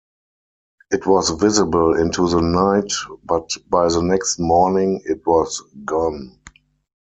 It was visible into the night, but by the next morning it was gone.